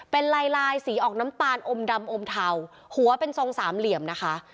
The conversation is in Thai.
เป็นลายลายสีออกน้ำตาลอมดำอมเทาหัวเป็นทรงสามเหลี่ยมนะคะ